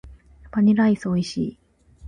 バニラアイス美味しい。